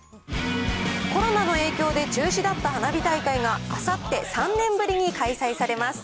コロナの影響で中止だった花火大会があさって、３年ぶりに開催されます。